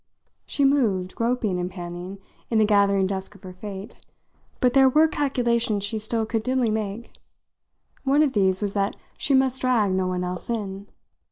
She moved, groping and panting, in the gathering dusk of her fate, but there were calculations she still could dimly make. One of these was that she must drag no one else in.